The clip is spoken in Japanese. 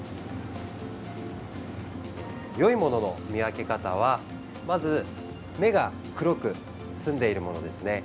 よいものの見分け方はまず目が黒く澄んでいるものです。